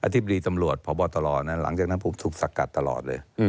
ธิบดีตำรวจพบตรหลังจากนั้นผมถูกสกัดตลอดเลย